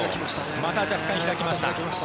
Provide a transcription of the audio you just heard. また若干開きました。